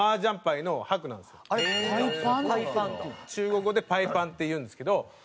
中国語でパイパンっていうんですけど。